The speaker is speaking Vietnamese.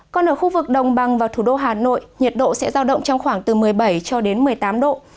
còn ở khu vực đồng bằng và thủ đô hà nội nhiệt độ sẽ giao động trong khoảng từ một mươi bảy cho đến một mươi tám độ